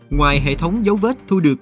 ngoài hệ thống giấu vết thu được